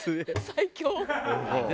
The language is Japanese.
最強。